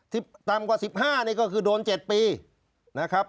ต่ำกว่าสิบห้านี่ก็คือโดนเจ็ดปีนะครับ